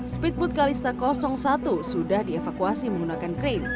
speedboot kalista satu sudah dievakuasi menggunakan krim